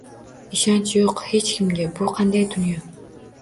Ishonch yoʻq hech kimga. Bu qanday Dunyo